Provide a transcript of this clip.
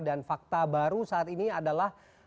fakta baru saat ini adalah